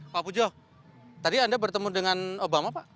pak pujo tadi anda bertemu dengan obama pak